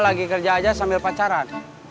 lagi kerja aja sambil pacaran